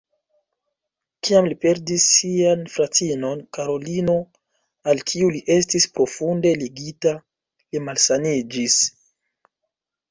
Kiam li perdis sian fratinon Karolino, al kiu li estis profunde ligita, li malsaniĝis.